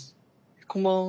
こんばんは。